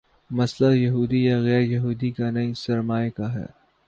مسئلہ یہودی یا غیر یہودی کا نہیں، سرمائے کا ہے۔